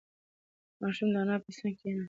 ماشوم د انا په څنگ کې کېناست.